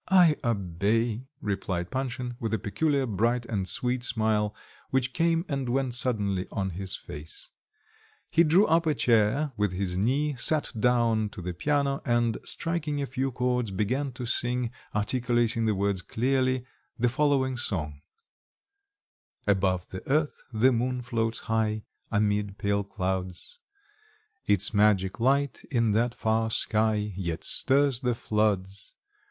"I obey," replied Panshin, with a peculiar bright and sweet smile, which came and went suddenly on his face. He drew up a chair with his knee, sat down to the piano, and striking a few chords began to sing, articulating the words clearly, the following song Above the earth the moon floats high Amid pale clouds; Its magic light in that far sky Yet stirs the floods.